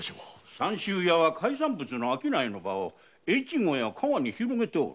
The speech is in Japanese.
三州屋は海産物の商いの場を越後や加賀に広げておる。